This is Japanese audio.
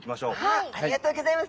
はいありがとうギョざいます。